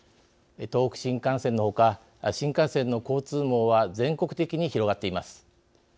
東北新幹線のほか新幹線の交通網は全国的に広がっています。